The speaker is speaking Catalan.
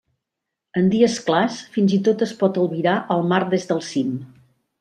En dies clars fins i tot es pot albirar el mar des del cim.